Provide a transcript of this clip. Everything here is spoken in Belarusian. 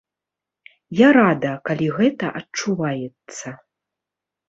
Я рада, калі гэта адчуваецца.